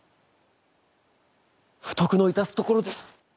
不徳の致すところです。